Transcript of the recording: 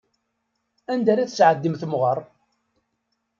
Anda ara tesɛeddim temɣeṛ?